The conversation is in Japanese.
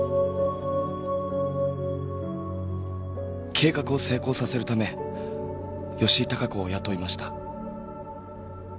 計画を成功させるため吉井孝子を雇いました。